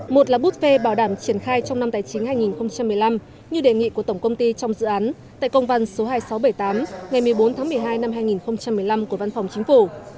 một là bút phê bảo đảm triển khai trong năm tài chính hai nghìn một mươi năm như đề nghị của tổng công ty trong dự án tại công văn số hai nghìn sáu trăm bảy mươi tám ngày một mươi bốn tháng một mươi hai năm hai nghìn một mươi năm của văn phòng chính phủ